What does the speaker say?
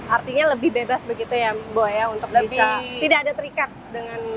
artinya lebih bebas begitu ya bu ya untuk bisa tidak ada terikat dengan